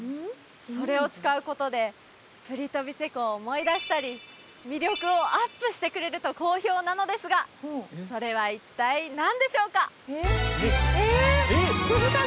それを使うことでプリトヴィツェ湖を思い出したり魅力をアップしてくれると好評なのですがそれは一体何でしょうか？